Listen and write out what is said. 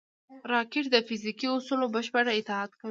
راکټ د فزیکي اصولو بشپړ اطاعت کوي